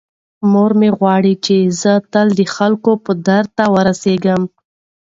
مور مې غواړي چې زه تل د خلکو په درد ورسیږم.